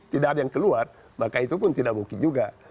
tidak ada yang keluar maka itu pun tidak mungkin juga